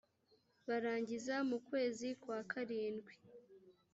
barangiza mu kwezi kwa karindwi